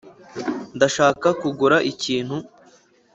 ndashaka kugura ikintu.